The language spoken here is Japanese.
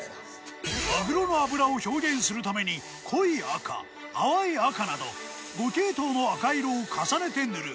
まぐろの脂を表現するために濃い赤淡い赤など５系統の赤色を重ねて塗る。